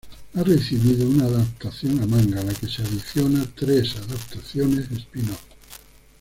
Ha recibido una adaptación a manga, a la que se adiciona tres adaptaciones spin-off.